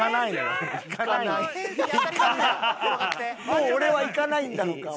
「“もう俺はいかないんだ”の顔」